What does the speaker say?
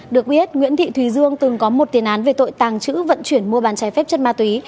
được biết nguyễn thị thùy dương từng có một tiền án về tội tàng trữ vận chuyển mua bàn trái phép chất ma túy